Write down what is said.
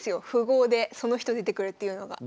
符号でその人出てくるっていうのが。